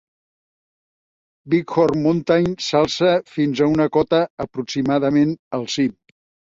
Bighorn Mountain s'alça fins a una cota aproximadament al cim.